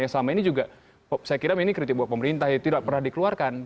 yang selama ini juga saya kira ini kritik buat pemerintah ya tidak pernah dikeluarkan